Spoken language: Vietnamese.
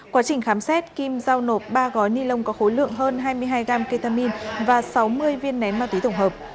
quá trình khám xét kim giao nộp ba gói ni lông có khối lượng hơn hai mươi hai gram ketamine và sáu mươi viên nén ma túy tổng hợp